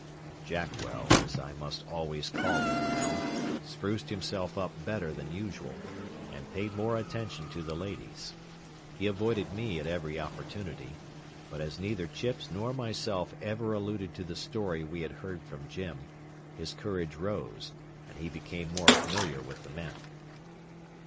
Jackwell, as I must always call him now, spruced himself up better than usual, and paid more attention to the ladies. He avoided me at every opportunity; but as neither Chips nor myself ever alluded to the story we had heard from Jim, his courage rose, and he became more familiar with the men.